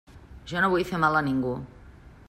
Jo no vull fer mal a ningú.